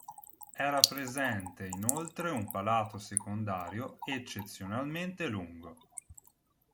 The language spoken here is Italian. Era presente inoltre un palato secondario eccezionalmente lungo.